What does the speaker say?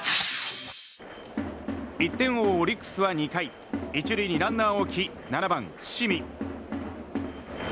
１点を追うオリックスは２回１塁にランナーを置き７番、伏見。